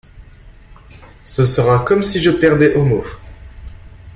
Ce sera comme si je perdais Homo.